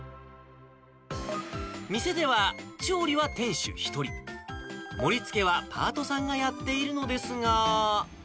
店では調理は店主１人、盛り付けはパートさんがやっているのですが。